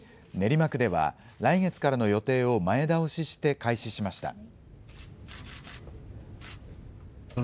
練馬区では、来月からの予定を前倒しして開始しました。